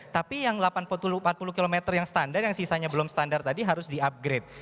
tapi yang delapan puluh km yang standar yang sisanya belum standar tadi harus di upgrade